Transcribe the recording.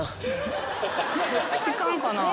時間かなぁ。